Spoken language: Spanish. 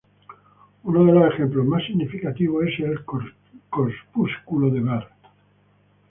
Uno de los ejemplos más significativos es el corpúsculo de Barr.